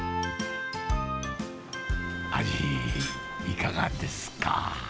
味、いかがですか。